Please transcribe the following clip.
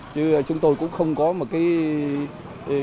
chứ chúng tôi cũng không có một cái